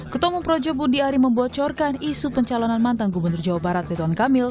ketua umum projo budi ari membocorkan isu pencalonan mantan gubernur jawa barat rituan kamil